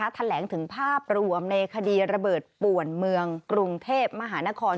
แถลงถึงภาพรวมในคดีระเบิดป่วนเมืองกรุงเทพมหานคร